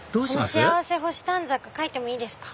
幸せ星短冊書いてもいいですか？